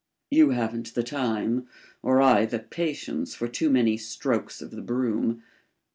"You haven't the time, or I the patience for too many strokes of the broom.